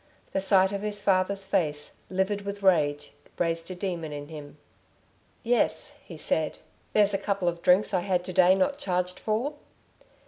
The sight of his father's face, livid with rage, raised a demon in him. "Yes," he said, "there's a couple of drinks I had to day not charged for."